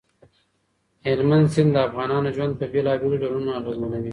هلمند سیند د افغانانو ژوند په بېلابېلو ډولونو اغېزمنوي.